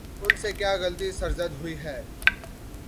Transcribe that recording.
ان سے کیا غلطی سرزد ہوئی ہے؟